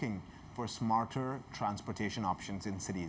orang orang mencari pilihan transportasi yang lebih bijak di kota